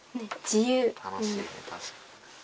楽しいたしかに。